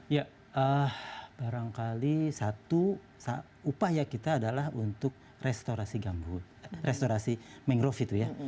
ya barangkali satu upaya kita adalah untuk restorasi gambut restorasi mangrove itu ya